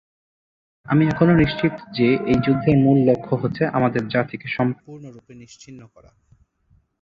আমি এখন নিশ্চিত যে এই যুদ্ধের মূল লক্ষ্য হচ্ছে আমাদের জাতিকে সম্পূর্ণরূপে নিশ্চিহ্ন করা।